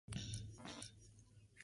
Se pierden las terminaciones del dual.